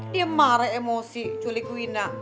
dia marah emosi culik wina